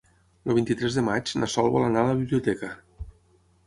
El vint-i-tres de maig na Sol vol anar a la biblioteca.